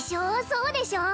そうでしょう！